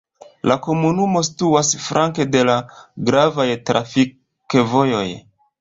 La komunumo situas flanke de la gravaj trafikvojoj.